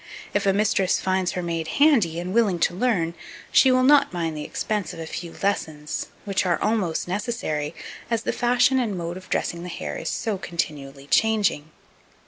If a mistress finds her maid handy, and willing to learn, she will not mind the expense of a few lessons, which are almost necessary, as the fashion and mode of dressing the hair is so continually changing.